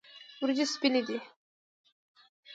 وریجې سپینې دي.